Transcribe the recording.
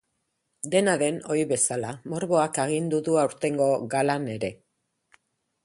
Dena den, ohi bezala, morboak agindu du aurtengo galan ere.